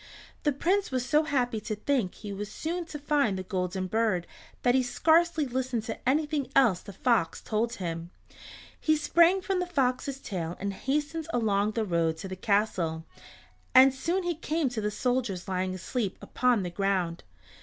The Prince was so happy to think he was soon to find the Golden Bird that he scarcely listened to anything else the fox told him. He sprang from the fox's tail and hastened along the road to the castle, and soon he came to the soldiers lying asleep upon the ground.